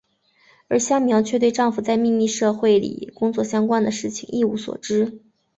而香苗却对丈夫在秘密社会里工作相关的事情一无所知。